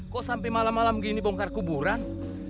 kok sampai malam malam gini bongkar kuburan